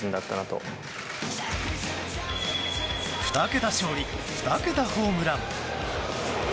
２桁勝利２桁ホームラン。